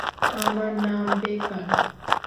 আমার নাম বেকার।